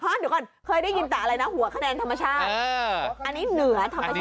เดี๋ยวเคยได้ยินแปลอะไรนะหัวขนาดนธรรมชาติ